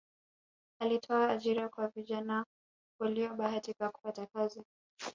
alitoa ajira kwa vijana waliyobahatika kupata kazi